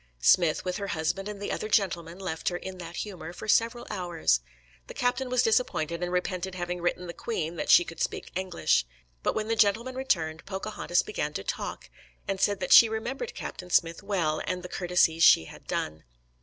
Smith, with her husband and the other gentlemen, left her "in that humour" for several hours. The captain was disappointed, and repented having written the queen that she could speak English. But when the gentlemen returned Pocahontas began to talk, and said that she remembered Captain Smith well, "and the courtesies she had done."